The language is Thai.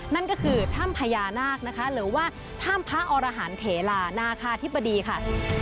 นั่นก็คือถ้ำพญานาคนะคะหรือว่าถ้ำพระอรหันเถลานาคาธิบดีค่ะ